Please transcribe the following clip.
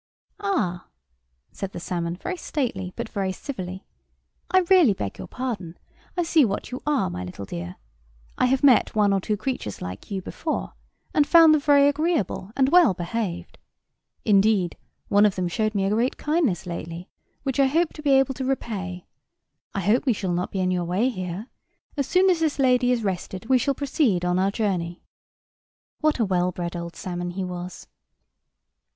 "Ah?" said the salmon, very stately but very civilly. "I really beg your pardon; I see what you are, my little dear. I have met one or two creatures like you before, and found them very agreeable and well behaved. Indeed, one of them showed me a great kindness lately, which I hope to be able to repay. I hope we shall not be in your way here. As soon as this lady is rested, we shall proceed on our journey." What a well bred old salmon he was!